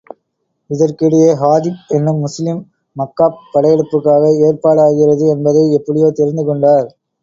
இதற்கிடையே, ஹாதிப் என்னும் முஸ்லிம், மக்காப் படையெடுப்புக்காக ஏற்பாடாகிறது என்பதை எப்படியோ தெரிந்து கொண்டார்.